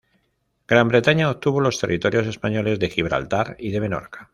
Gran Bretaña obtuvo los territorios españoles de Gibraltar y de Menorca.